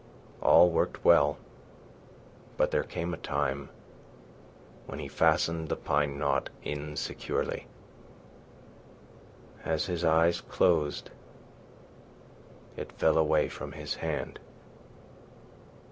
All worked well, but there came a time when he fastened the pine knot insecurely. As his eyes closed it fell away from his hand.